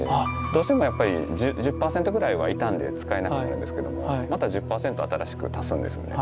どうしてもやっぱり１０％ぐらいは傷んで使えなくなるんですけどもまた１０％新しく足すんですね。